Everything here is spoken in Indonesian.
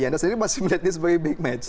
anda sendiri masih melihatnya sebagai big match